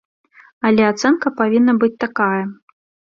Але ацэнка павінна быць такая.